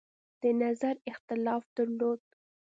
د نظر اختلاف درلود.